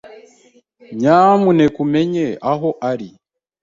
Nyamuneka umenye aho ari.